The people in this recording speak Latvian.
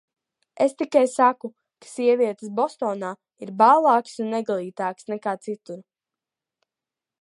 Es tikai saku, ka sievietes Bostonā ir bālākas un neglītākas nekā citur.